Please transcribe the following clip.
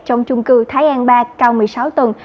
trong chung cư thái an ba cao một mươi sáu tầng